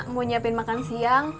mau nyiapin makan siang